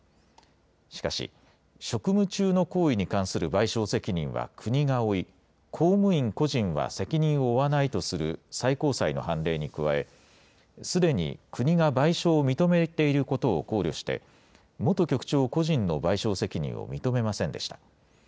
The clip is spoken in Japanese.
しかし、職務中の行為に関する賠償責任は国が負い、公務員個人は責任を負わないとする最高裁の判例に加え、すでに国が賠償を認めていることを考慮して、元局長個人の賠償責任を認めませんでした。